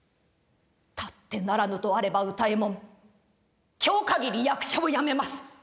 たってならぬとあれば歌右衛門今日限り役者をやめます」。